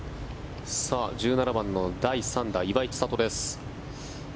１７番の第３打岩井千怜です。